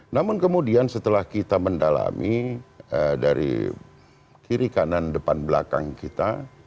namun kemudian setelah kita mendalami dari kiri kanan depan belakang kita